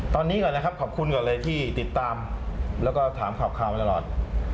ตอนนี้ก่อนนะครับขอบคุณก่อนเลยที่ติดตามแล้วก็ถามข่าวมาตลอด